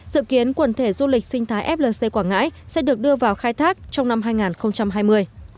dự kiến quần thể du lịch sinh thái flc quảng ngãi sẽ được đưa vào khai thác trong năm hai nghìn hai mươi